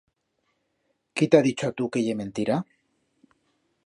Quí t'ha dicho a tu que ye mentira?